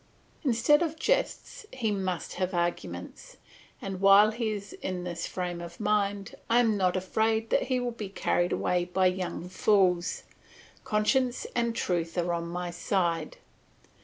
Instead of jests he must have arguments, and while he is in this frame of mind, I am not afraid that he will be carried away by young fools; conscience and truth are on my side.